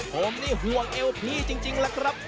ผมนี่ห่วงเอวพี่จริงล่ะครับ